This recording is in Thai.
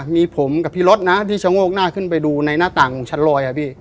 มีผมกับพี่รถนะที่ชะโงกหน้าขึ้นไปดูในหน้าต่างของชั้นลอยอ่ะพี่